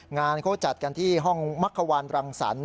งานเขาจัดกันที่ห้องมักขวานรังสรรค